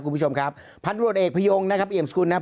คุณผู้ชมครับพันธุรกิจเอกพยงนะครับเอี่ยมสกุลนะครับ